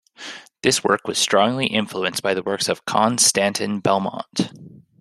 This work was strongly influenced by works of Konstantin Bal'mont.